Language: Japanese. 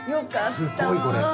すごい！これ。